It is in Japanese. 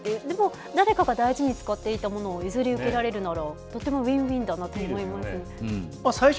でも、誰かが大事に使っていたものを譲り受けられるなら、とてもウィンウィンだなと思います。